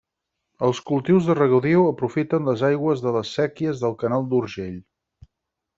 Els cultius de regadiu aprofiten les aigües de les séquies del canal d'Urgell.